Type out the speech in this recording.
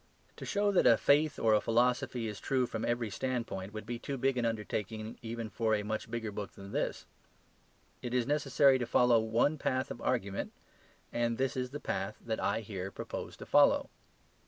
To show that a faith or a philosophy is true from every standpoint would be too big an undertaking even for a much bigger book than this; it is necessary to follow one path of argument; and this is the path that I here propose to follow.